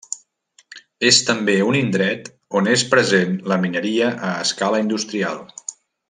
És també un indret on és present la mineria a escala industrial.